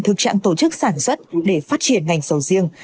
thực trạng tổ chức sản xuất để phát triển ngành sầu riêng